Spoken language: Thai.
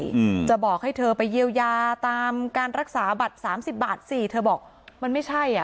อืมจะบอกให้เธอไปเยียวยาตามการรักษาบัตรสามสิบบาทสี่เธอบอกมันไม่ใช่อ่ะ